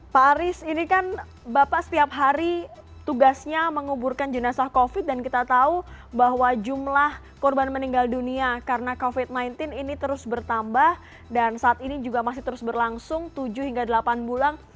pak aris ini kan bapak setiap hari tugasnya menguburkan jenazah covid dan kita tahu bahwa jumlah korban meninggal dunia karena covid sembilan belas ini terus bertambah dan saat ini juga masih terus berlangsung tujuh hingga delapan bulan